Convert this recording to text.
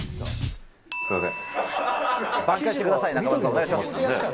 すみません。